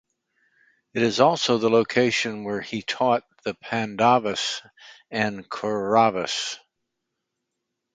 It is also the location where he taught the Pandavas and Kauravas.